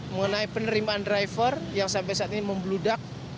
mengenai penerimaan driver yang sampai saat ini membludak